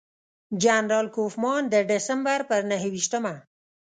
جنرال کوفمان د ډسمبر پر نهه ویشتمه.